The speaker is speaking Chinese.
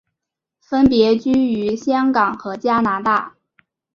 分别居于香港和加拿大。